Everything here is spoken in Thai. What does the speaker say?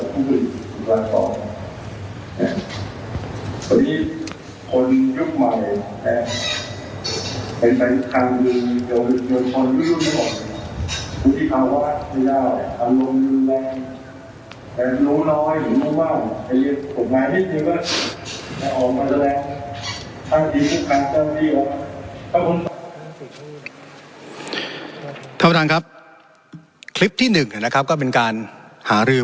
ครับคุณท่านประธานครับคลิปที่หนึ่งนะครับก็เป็นการหารือ